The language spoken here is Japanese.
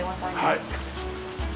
はい。